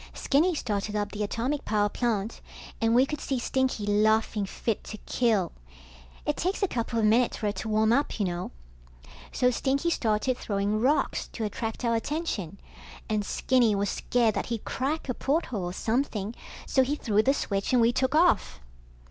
Skinny started up the atomic power plant, and we could see Stinky laughing fit to kill. It takes a couple of minutes for it to warm up, you know. So Stinky started throwing rocks to attract our attention, and Skinny was scared that he'd crack a porthole or something, so he threw the switch and we took off.